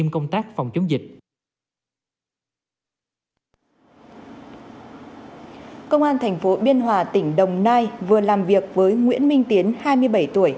công an thành phố biên hòa tỉnh đồng nai vừa làm việc với nguyễn minh tiến hai mươi bảy tuổi